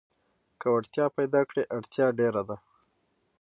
که وړتيا پيداکړې اړتيا ډېره ده.